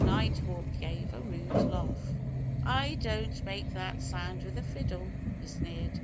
Nighthawk gave a rude laugh. "I don't make that sound with a fiddle," he sneered.